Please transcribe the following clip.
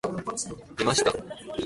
本来の担ぎ技が出ました。